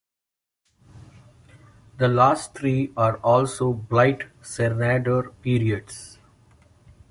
The last three are also Blytt-Sernander periods.